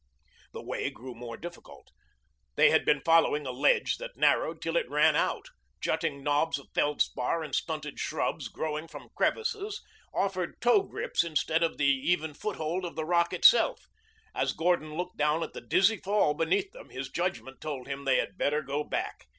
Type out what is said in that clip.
The way grew more difficult. They had been following a ledge that narrowed till it ran out. Jutting knobs of feldspar and stunted shrubs growing from crevices offered toe grips instead of the even foothold of the rock shelf. As Gordon looked down at the dizzy fall beneath them his judgment told him they had better go back.